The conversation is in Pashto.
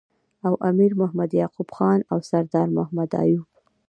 او امیر محمد یعقوب خان او سردار محمد ایوب